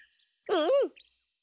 うん。